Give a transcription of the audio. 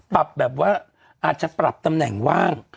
ปรับแบบว่าอาจจะปรับตำแหน่งว่าง